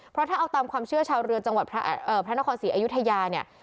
เพราะถ้าเอาตามความเชื่อชาวเรือจังหวัดพระนครศรีอยุธยาเนี่ย